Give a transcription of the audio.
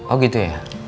oh gitu ya